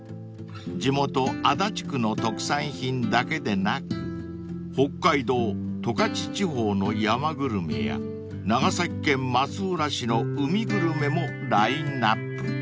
［地元足立区の特産品だけでなく北海道十勝地方の山グルメや長崎県松浦市の海グルメもラインアップ］